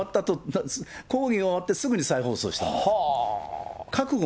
抗議が終わってすぐに再放送したんです。